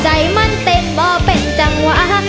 ใจมันเต้นบ่เป็นจังหวะ